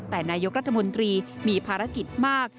แต่นายกรัฐมนตรีมีภารกิจมาก